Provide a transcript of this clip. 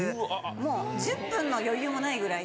もう１０分の余裕もないぐらい。